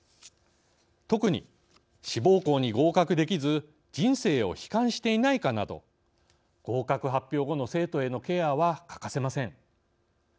特に、志望校に合格できず人生を悲観していないかなど合格発表後の生徒へのケアは欠かせません。